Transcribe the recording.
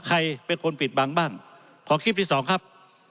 ใครเป็นคนปิดบังบ้างขอคลิปที่สองครับ